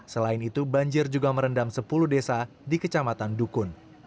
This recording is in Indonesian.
selain itu banjir juga merendam sepuluh desa di kecamatan dukun